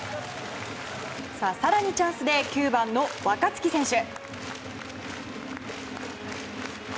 更にチャンスで９番の若月選手。